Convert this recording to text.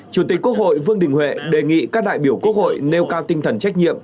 chủ tịch quốc hội vương đình huệ đề nghị các đại biểu quốc hội nêu cao tinh thần trách nhiệm